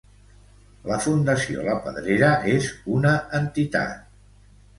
La Fundació La Pedrera és una entitat.